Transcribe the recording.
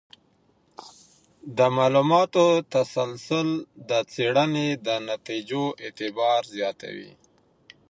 د معلوماتو تسلسل د څېړنې د نتیجو اعتبار زیاتوي.